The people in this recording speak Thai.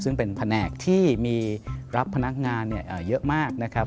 ซึ่งเป็นแผนกที่มีรับพนักงานเยอะมากนะครับ